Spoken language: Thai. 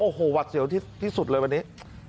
โอ้โหหวัดเสียวที่สุดเลยวันนี้